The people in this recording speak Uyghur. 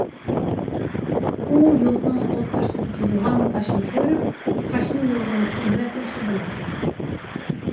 ئۇ يولنىڭ ئوتتۇرىسىدىكى يوغان تاشنى كۆرۈپ تاشنى يولدىن ئېلىۋەتمەكچى بولۇپتۇ.